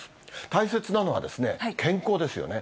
大切なのは健康ですよね。